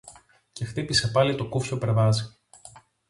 Και χτύπησε πάλι το κούφιο περβάζι